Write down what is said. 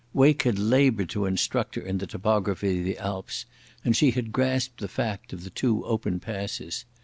Wake had laboured to instruct her in the topography of the Alps, and she had grasped the fact of the two open passes.